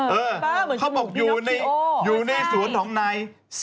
เขาบอกอยู่ในสวนของนาย